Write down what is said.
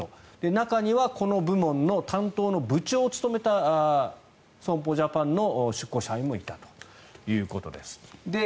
中にはこの部門の担当の部長を務めた損保ジャパンの出向者もいたということです。